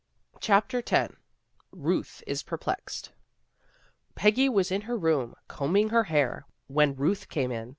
CHAPTER X RUTH IS PERPLEXED PEGGY was in her room, combing her hair, when Ruth came in.